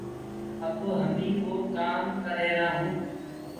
اب همي وو ڪآم ڪر رهيرآ هونٚ۔